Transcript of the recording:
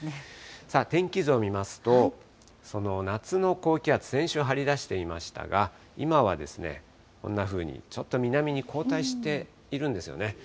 さあ、天気図を見ますと、その夏の高気圧、先週、張り出していましたが、今はこんなふうに、ちょっと南に後退しているんですよね。